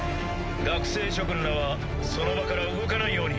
学生諸君らはその場から動かないように。